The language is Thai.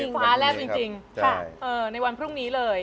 ในวันพรุ่งนี้เลย